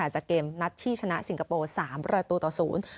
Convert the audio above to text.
จากเกมนัดที่ชนะสิงคโปร์๓ประตูต่อศูนย์